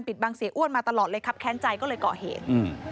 บังเสียอ้วนมาตลอดเลยครับแค้นใจก็เลยก่อเหตุ